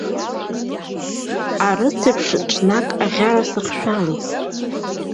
Арыц еиԥш, ҽнак аӷьара сыхшәалеит.